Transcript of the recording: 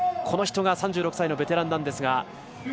この人が３６歳のベテランなんですが。